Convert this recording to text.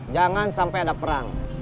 jangan sampai ada perang